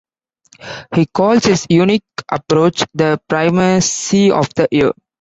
He calls his unique approach "the primacy of the ear".